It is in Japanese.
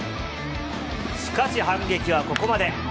しかし、反撃はここまで。